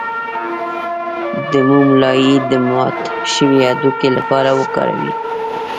د موم لایی د مات شوي هډوکي لپاره وکاروئ